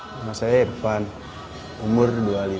nama saya irfan umur dua puluh lima